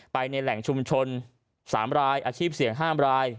ไปในแหล่งชุมชน๓รายอาชีพเสี่ยง๕ราย